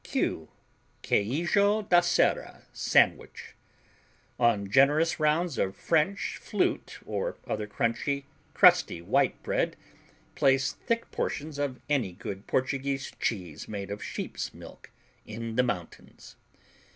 Q Queijo da Serra Sandwich On generous rounds of French "flute" or other crunchy, crusty white bread place thick portions of any good Portuguese cheese made of sheep's milk "in the mountains."